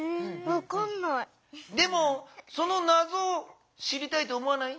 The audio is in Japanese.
でもそのなぞを知りたいと思わない？